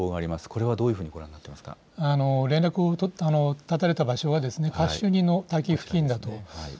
これはどういうふうにご覧に連絡を絶たれた場所がカシュニの滝付近だと。